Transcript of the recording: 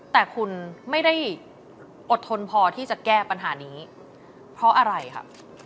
แต่คุณไม่ได้อดทนพอที่จะแก้ปัญหานี้เพราะอะไรครับ